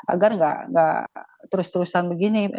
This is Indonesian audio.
agar tidak terus terusan begini